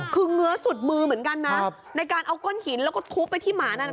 คือเงื้อสุดมือเหมือนกันนะในการเอาก้นหินแล้วก็ทุบไปที่หมานั้น